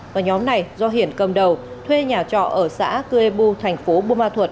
và nhóm này do hiển cầm đầu thuê nhà trọ ở xã cưê bu thành phố bù ma thuật